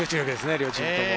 両チームとも。